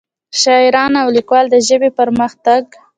شاعران او ليکوال دَ ژبې پۀ پرمخ تګ